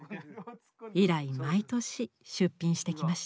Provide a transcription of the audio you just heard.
以来毎年出品してきました。